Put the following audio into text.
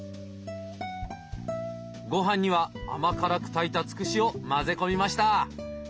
ごはんには甘辛く炊いたツクシを混ぜ込みました。